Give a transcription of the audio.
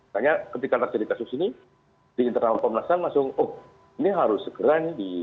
karena ketika terjadi kasus ini di internal komunas itu langsung oh ini harus segera nih